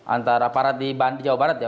antara aparat di jawa barat ya